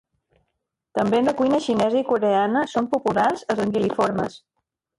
També en la cuina xinesa i coreana són populars els anguil·liformes.